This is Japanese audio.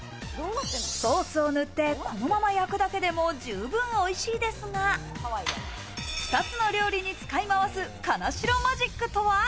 ソースを塗って、このまま焼くだけでも十分おいしいですが、２つの料理に使い回す金城マジックとは？